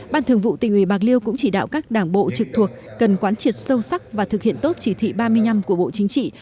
ban thường vụ tỉnh ủy bạc liêu cũng chỉ đạo các đảng bộ trực thuộc cần quán triệt sâu sắc và thực hiện tốt chỉ thị ba mươi năm của bộ chính trị